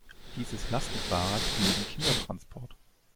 Dieses Lastenfahrrad dient dem Kindertransport.